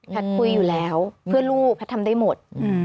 คุยอยู่แล้วเพื่อลูกแพทย์ทำได้หมด